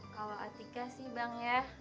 kalau atika sih bang ya